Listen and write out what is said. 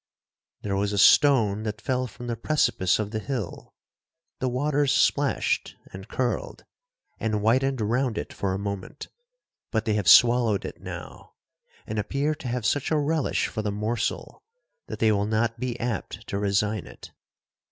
'—'There was a stone that fell from the precipice of the hill—the waters splashed, and curled, and whitened round it for a moment, but they have swallowed it now, and appear to have such a relish for the morsel, that they will not be apt to resign it.'